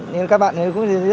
nên các bạn cũng thấy rất là khó